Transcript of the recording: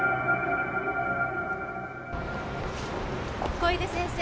小出先生